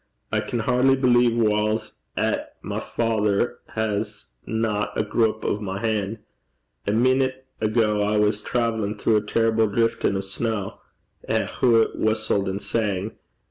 I can hardly believe whiles 'at my father hasna a grup o' my han'. A meenute ago I was traivellin' throu a terrible driftin' o' snaw eh, hoo it whustled and sang!